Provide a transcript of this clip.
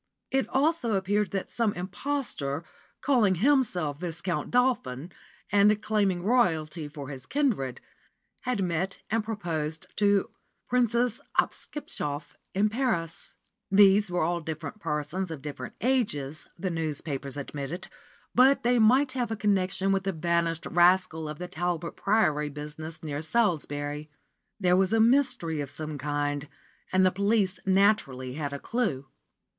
It also appeared that some impostor, calling himself Viscount Dolphin, and claiming Royalty for his kindred, had met and proposed to Princess Hopskipschoff in Paris. These were all different persons of different ages, the newspapers admitted, but they might have a connection with the vanished rascal of the Talbot Priory business near Salisbury. There was a mystery of some kind, and the police naturally had a clue.